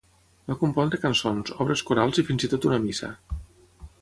Va compondre cançons, obres corals i fins i tot una missa.